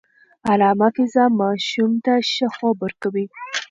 ارامه فضا ماشوم ته ښه خوب ورکوي.